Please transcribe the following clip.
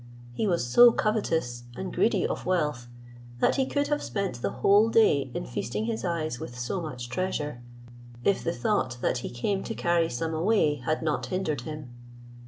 He was so covetous, and greedy of wealth, that he could have spent the whole day in feasting his eyes with so much treasure, if the thought that he came to carry some away had not hindered him.